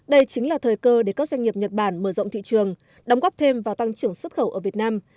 đây chính là thời cơ để các doanh nghiệp nhật bản mở rộng thị trường đóng góp thêm vào tăng trưởng xuất khẩu ở việt nam